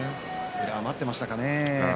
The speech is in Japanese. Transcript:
宇良は待っていましたかね。